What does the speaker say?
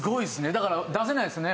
だから出せないですね。